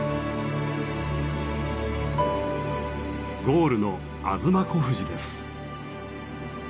ゴールの吾妻小富士です。